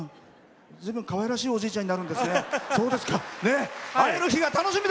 ずいぶんかわいらしいおじいちゃんになるんですね。